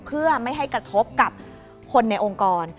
เพื่อไม่ให้กระทบกับคนในองค์กร